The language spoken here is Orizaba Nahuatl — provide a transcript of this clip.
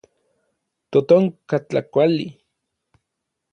Totonka tlakuali.